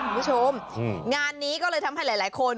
ของคุณผู้ชมอืมงานนี้ก็เลยทำให้หลายหลายคน